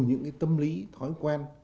những tâm lý thói quen